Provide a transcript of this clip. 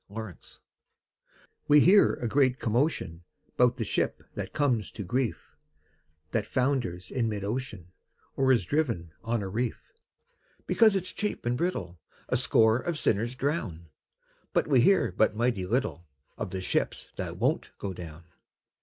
0 Autoplay We hear a great commotion 'Bout the ship that comes to grief, That founders in mid ocean, Or is driven on a reef; Because it's cheap and brittle A score of sinners drown. But we hear but mighty little Of the ships that won't go down.